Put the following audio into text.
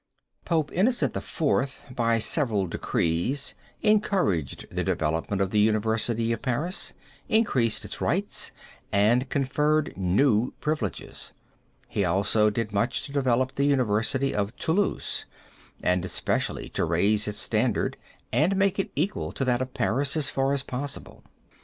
Pope Innocent IV. by several decrees encouraged the development of the University of Paris, increased its rights and conferred new privileges. He also did much to develop the University of Toulouse, and especially to raise its standard and make it equal to that of Paris as far as possible.